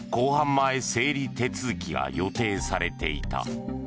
前整理手続きが予定されていた。